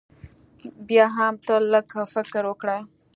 بيا هم تۀ لږ فکر وکړه